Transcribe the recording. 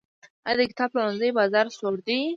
آیا د کتاب پلورنځیو بازار سوړ دی؟